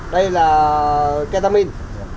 đây là ketamine